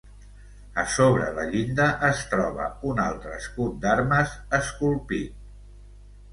A sobre la llinda es troba un altre escut d'armes esculpit.